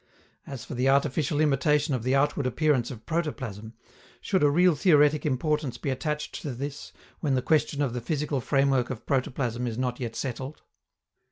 As for the artificial imitation of the outward appearance of protoplasm, should a real theoretic importance be attached to this when the question of the physical framework of protoplasm is not yet settled?